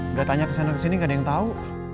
udah tanya kesana kesini gak ada yang tau